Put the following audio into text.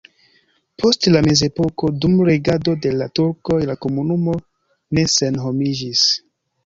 Post la mezepoko dum regado de la turkoj la komunumo ne senhomiĝis.